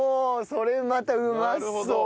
それまたうまそう！